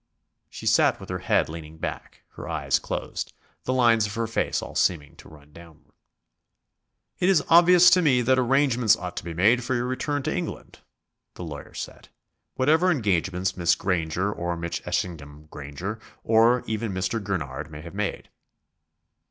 She sat with her head leaning back, her eyes closed, the lines of her face all seeming to run downward. "It is obvious to me that arrangements ought to be made for your return to England," the lawyer said, "whatever engagements Miss Granger or Mr. Etchingham Granger or even Mr. Gurnard may have made."